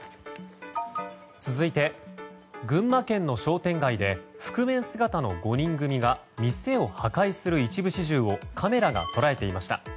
続いて群馬県の商店街で覆面姿の５人組が店を破壊する一部始終をカメラが捉えていました。